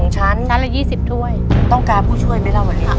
ชั้นละ๒๐ถ้วยต้องการผู้ช่วยไหมล่ะข้างนี้